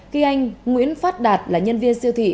khi anh nguyễn phát đạt là nhân viên siêu thị